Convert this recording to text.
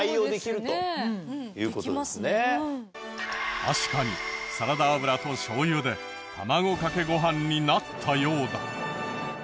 確かにサラダ油としょう油で卵かけご飯になったようだ。